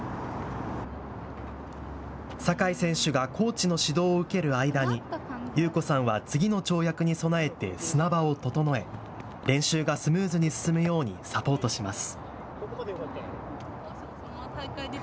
酒井選手がコーチの指導を受ける間に裕子さんは次の跳躍に備えて砂場を整え、練習がスムーズに進むようにサポートします。